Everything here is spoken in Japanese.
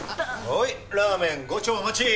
ほいラーメン５丁お待ち！